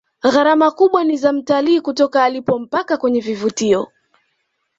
gharama kubwa ni za mtalii kutoka alipo mpaka kwenye vivutio